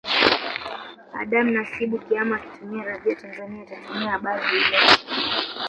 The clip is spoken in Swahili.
Adam Nasibu Kiama akitumia Radio Tanzania atatumia habari hile